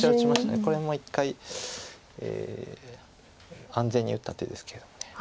これも１回安全に打った手ですけれども。